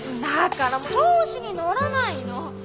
だからもう調子に乗らないの。